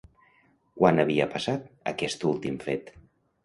Quan havia passat, aquest últim fet?